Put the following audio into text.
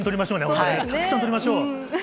思い出、たくさん撮りましょう。